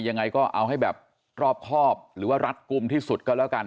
ยังไงก็เอาให้แบบรอบครอบหรือว่ารัดกลุ่มที่สุดก็แล้วกัน